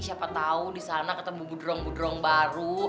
siapa tau disana ketemu buderong buderong baru